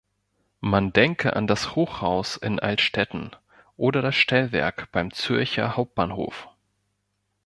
Man denke an das Hochhaus in Altstetten oder das Stellwerk beim Zürcher Hauptbahnhof.